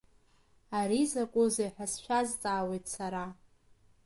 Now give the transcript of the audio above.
Ари закәызеи ҳәа сшәазҵаауеит, сара?